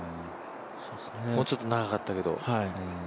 もうちょっと長かったけど。